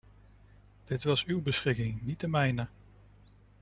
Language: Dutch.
Dat was uw beschikking, niet de mijne!